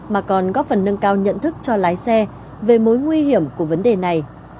mà còn góp phần nâng cao nhận thức cho lái xe về mối nguy hiểm của vấn đề này